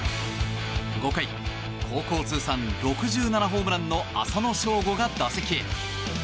５回、高校通算６７ホームランの浅野翔吾が打席へ。